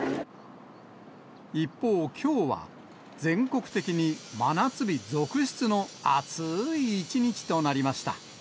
一方、きょうは、全国的に真夏日続出の暑い一日となりました。